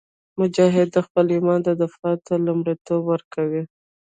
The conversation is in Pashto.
مجاهد د خپل ایمان دفاع ته لومړیتوب ورکوي.